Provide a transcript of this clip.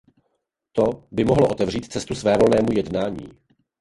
To by mohlo otevřít cestu svévolnému jednání.